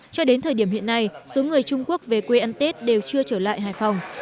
cho đến thời điểm hiện nay số người trung quốc về quê ăn tết đều chưa trở lại hải phòng